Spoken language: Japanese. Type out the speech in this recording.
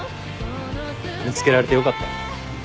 見つけられてよかった。